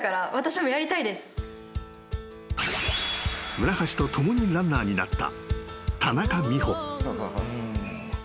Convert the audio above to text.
［村橋と共にランナーになった田中美穂］